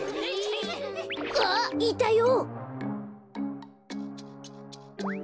あっいたよ！